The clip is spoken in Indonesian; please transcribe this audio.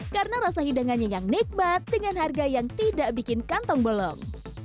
karena rasa hidangannya yang nikmat dengan harga yang tidak bikin kantong bolong